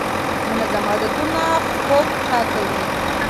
منظم عادتونه خوب ښه کوي.